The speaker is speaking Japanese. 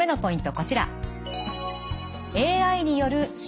こちら。